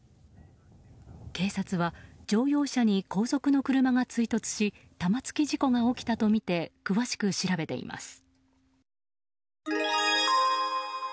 警察は乗用車に後続の車が追突し玉突き事故が起きたとみて詳しく調べています。